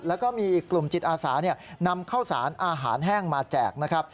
แล้วก็มีอีกกลุ่มจิตอาสานำข้าวสารอาหารแห้งมาแจกนะครับ